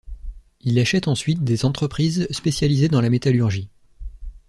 Il achète ensuite des entreprises spécialisées dans la métallurgie.